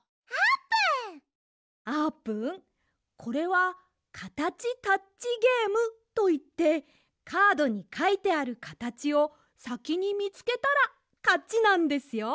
あーぷんこれは「カタチタッチゲーム」といってカードにかいてあるカタチをさきにみつけたらかちなんですよ！